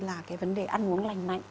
là cái vấn đề ăn uống lành mạnh